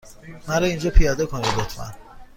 مرا اینجا پیاده کنید، لطفا.